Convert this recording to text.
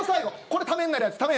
これためになるやつ。